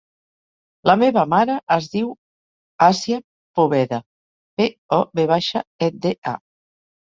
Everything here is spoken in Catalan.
La meva mare es diu Asia Poveda: pe, o, ve baixa, e, de, a.